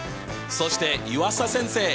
そして湯浅先生！